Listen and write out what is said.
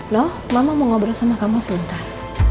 noh mama mau ngobrol sama kamu sebentar